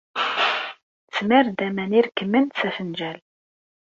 Tesmar-d aman irekkmen s afenjal.